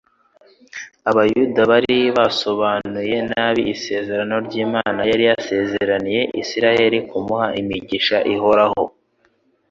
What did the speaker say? Abayuda bari barasobanuye nabi isezerano ry'Imana yari yarasezeraniye Isiraheli kumuha imigisha ihoraho :